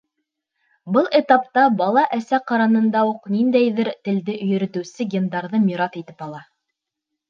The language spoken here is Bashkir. Был этапта бала әсә ҡарынында уҡ ниндәйҙер телде йөрөтөүсе гендарҙы мираҫ итеп ала.